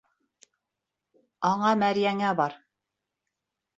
Аңа мәрйәңә бар!